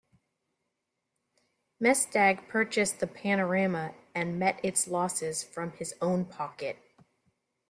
Mesdag purchased the panorama and met its losses from his own pocket.